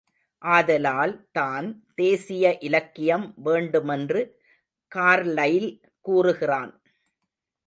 ஆதலால் தான் தேசீய இலக்கியம் வேண்டுமென்று கார்லைல் கூறுகிறான்.